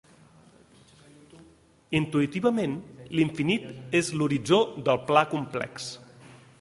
Intuïtivament, l'infinit és l'horitzó del pla complex.